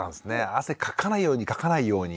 汗かかないようにかかないように。